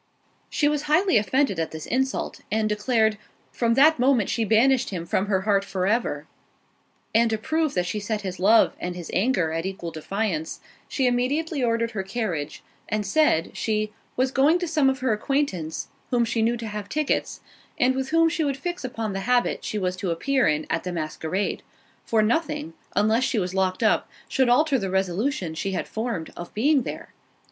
She was highly offended at this insult, and declared, "From that moment she banished him from her heart for ever." And to prove that she set his love and his anger at equal defiance, she immediately ordered her carriage, and said, she "Was going to some of her acquaintance, whom she knew to have tickets, and with whom she would fix upon the habit she was to appear in at the masquerade; for nothing, unless she was locked up, should alter the resolution she had formed, of being there."